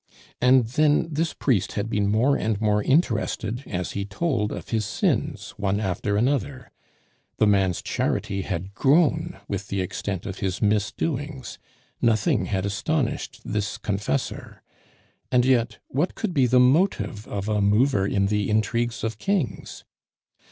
And then this priest had been more and more interested as he told of his sins one after another. The man's charity had grown with the extent of his misdoings; nothing had astonished this confessor. And yet, what could be the motive of a mover in the intrigues of kings?